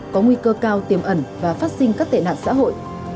có nguy cơ cao tiềm ẩn và phát sinh các tệ nạn xã hội